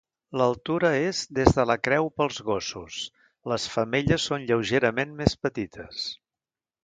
L'altura és des de la creu pels gossos, les femelles són lleugerament més petites.